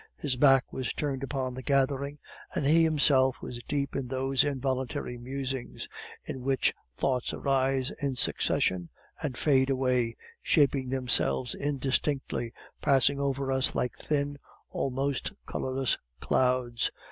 His back was turned upon the gathering, and he himself was deep in those involuntary musings in which thoughts arise in succession and fade away, shaping themselves indistinctly, passing over us like thin, almost colorless clouds.